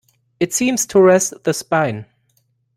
It seems to rest the spine.